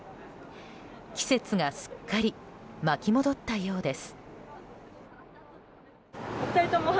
季節がすっかり巻き戻ったようです。